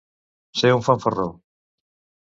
Ser un fanfarró.